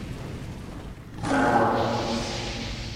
Karmapa.